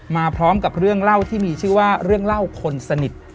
มาพร้อมกับเรื่องเล่าที่มีชื่อว่าเรื่องเล่าคนสนิท